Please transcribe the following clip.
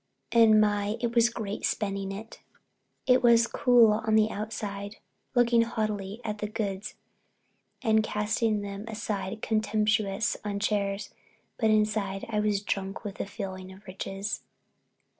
And, my it was great spending it! I was cool on the outside, looking haughty at the goods and casting them aside contemptuous on chairs, but inside I was drunk with the feeling of riches.